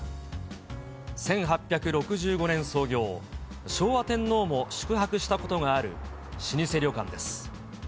１８６５年創業、昭和天皇も宿泊したことがある老舗旅館です。